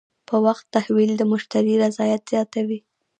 په وخت تحویل د مشتری رضایت زیاتوي.